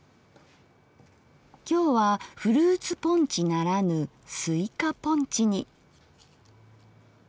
今日はフルーツポンチならぬスイカポンチに。